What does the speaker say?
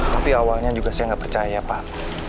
tapi awalnya juga saya nggak percaya pak